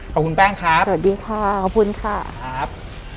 ขอบคุณแป้งครับขอบคุณครับ